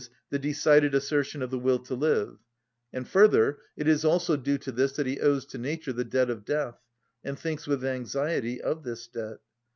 _, the decided assertion of the will to live; and further, it is also due to this that he owes to nature the debt of death, and thinks with anxiety of this debt.